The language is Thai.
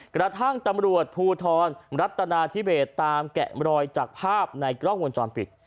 กระทั่งตำรวจภูทรรัฐนาธิเบสตามแกะมรอยจากภาพในกล้องวงจรปิด